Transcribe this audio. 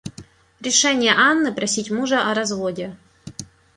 Решение Анны просить мужа о разводе.